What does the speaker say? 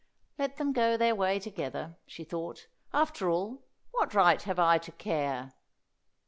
"Let them go their way together," she thought. "After all, what right have I to care?"